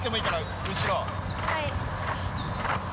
はい。